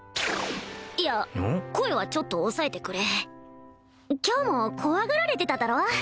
いや声はちょっと抑えてくれ今日も怖がられてただろ？